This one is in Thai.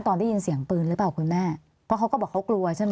ตอนได้ยินเสียงปืนหรือเปล่าคุณแม่เพราะเขาก็บอกเขากลัวใช่ไหม